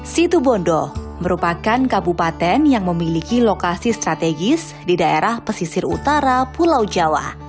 situbondo merupakan kabupaten yang memiliki lokasi strategis di daerah pesisir utara pulau jawa